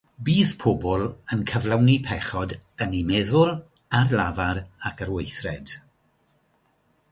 Bydd pobl yn cyflawni pechod yn eu meddwl, ar lafar ac ar weithred.